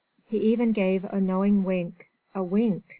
He even gave a knowing wink a wink!